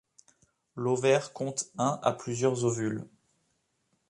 L'ovaire compte un à plusieurs ovules.